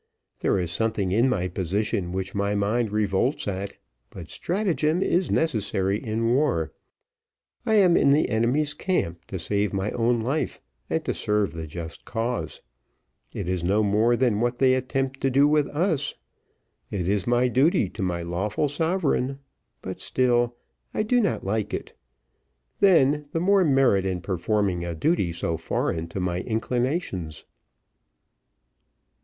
There is something in my position which my mind revolts at, but stratagem is necessary in war. I am in the enemy's camp to save my own life, and to serve the just cause. It is no more than what they attempt to do with us. It is my duty to my lawful sovereign, but still I do not like it. Then the more merit in performing a duty so foreign to my inclinations."